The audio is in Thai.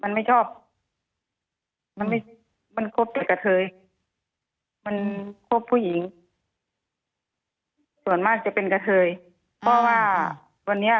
มันไม่ชอบมันไม่มันคบที่กระเทยมันคบผู้หญิงส่วนมากจะเป็นกระเทยเพราะว่าวันนี้